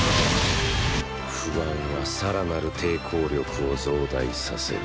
不安は更なる抵抗力を増大させる。